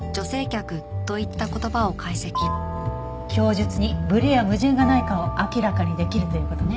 供述にブレや矛盾がないかを明らかにできるという事ね。